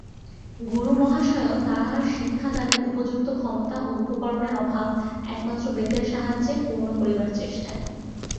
গুরুমহাশয়ও তঁহার শিক্ষাদানের উপযুক্ত ক্ষমতা ও উপকরণের অভাব একমাত্র বেতের সাহায্যে পূর্ণ করিবার চেষ্টায়।